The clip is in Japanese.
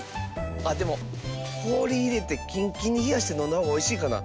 あっでもこおりいれてキンキンにひやしてのんだほうがおいしいかな。